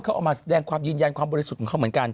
เขาเอามาแสดงความยืนยันความบริสุทธิ์ของเขาเหมือนกัน